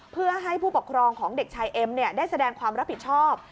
เพื่อให้ผู้ปกครองของเด็กชายเอ็มได้แสดงความรับผิดชอบ